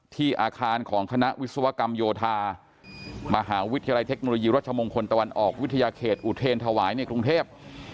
อาคารของคณะวิศวกรรมโยธามหาวิทยาลัยเทคโนโลยีรัชมงคลตะวันออกวิทยาเขตอุเทรนธวายในกรุงเทพ